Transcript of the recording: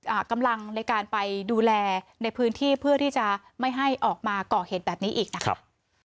กำลังในการไปดูแลในพื้นที่เพื่อที่จะไม่ให้ออกมาก่อเหตุแบบนี้อีกนะคะ